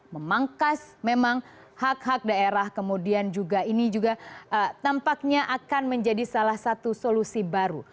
memangkas memang hak hak daerah kemudian juga ini juga tampaknya akan menjadi salah satu solusi baru